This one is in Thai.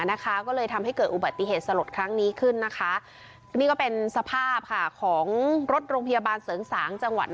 นะคะก็เลยทำให้เกิดอุบัติเหตุสรดครั้งนี้ขึ้นนะคะ